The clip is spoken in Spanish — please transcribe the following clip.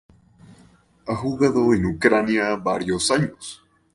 Ha jugado en Ucrania varios años.